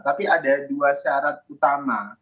tapi ada dua syarat utama